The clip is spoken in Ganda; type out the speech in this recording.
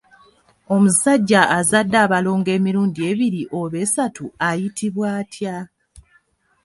Omusajja azadde abalongo emirundi ebiri oba esatu ayitibwa atya?